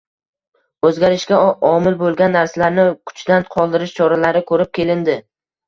o‘zgarishga omil bo‘lgan narsalarni kuchdan qoldirish choralari ko‘rib kelindi.